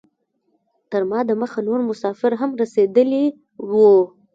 تر ما دمخه نور مسافر هم رسیدلي وو.